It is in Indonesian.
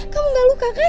kamu gak luka kan